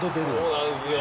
そうなんですよ。